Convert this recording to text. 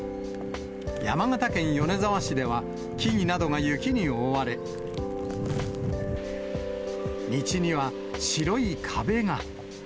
山形県米沢市では木々などが雪に覆われ、道には白い壁が。